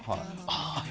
あ。